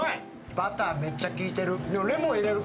バター、めっちゃきいてる。